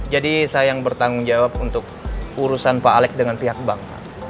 jadi saya yang bertanggung jawab untuk urusan pak alek dengan pihak bank